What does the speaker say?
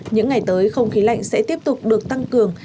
những ngày tới không khí lạnh sẽ tiếp tục được tăng cường